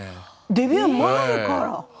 デビュー前から？